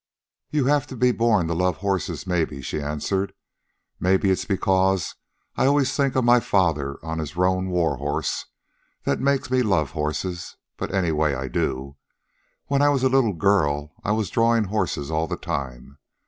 "You have to be born to love horses, maybe," she answered. "Maybe it's because I always think of my father on his roan war horse that makes me love horses. But, anyway, I do. When I was a little girl I was drawing horses all the time.